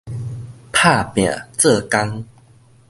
拍拚做工